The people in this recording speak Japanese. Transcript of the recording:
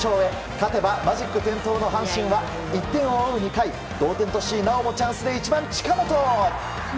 勝てばマジック点灯の阪神は１点を追う２回、同点としなおもチャンスで１番、近本。